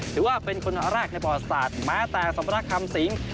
ถือว่าคนรากในป่อสถาลมาตาส์ตระก็คอมสิง